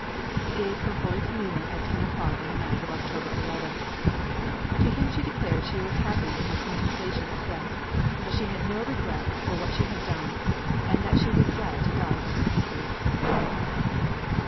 He gave her Holy Communion at ten o'clock on the night of October 11th. To him she declared she was happy in her contemplation of death; that she had no regret for what she had done; and that she was glad to die for her country.